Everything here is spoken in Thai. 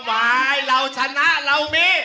ไหว้เราชนะเรามี